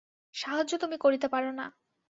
সাহায্য তুমি করিতে পার না।